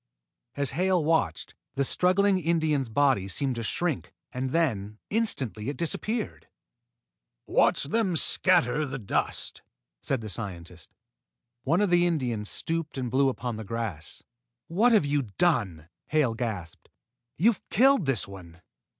As Hale watched, the struggling Indian's body seemed to shrink, and then, instantly, it disappeared. "Watch them scatter the dust!" said the scientist. One of the Indians stooped and blew upon the grass. "What have you done!" Hale gasped. "You've killed this one.